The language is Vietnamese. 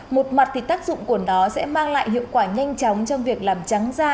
một mặt thì tác dụng của nó sẽ mang lại hiệu quả nhanh chóng trong việc làm trắng da